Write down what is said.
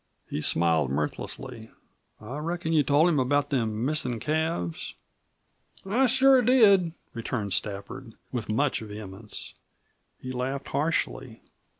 He smiled mirthlessly. "I reckon you told him about them missin' calves?" "I sure did!" returned Stafford with much vehemence. He laughed harshly.